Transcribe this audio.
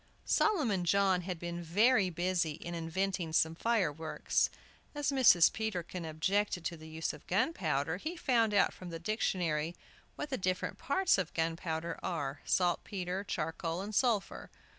Solomon John had been very busy in inventing some fireworks. As Mrs. Peterkin objected to the use of gunpowder, he found out from the dictionary what the different parts of gunpowder are, saltpetre, charcoal, and sulphur.